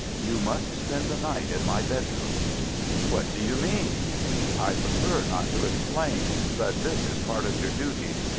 You must spend the night in my bedroom." "What do you mean?" "I prefer not to explain. But this is part of your duties.